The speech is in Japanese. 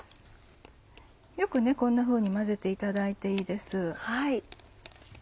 こんなふうに混ぜていただいていいです。